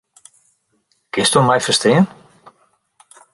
Kinsto my ferstean?